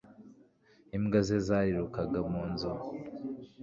Imbwa ze zarirukaga mu nzu.